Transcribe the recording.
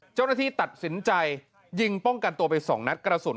เจ้าหน้าที่ตัดสินใจยิงป้องกันตัวไป๒นัดกระสุน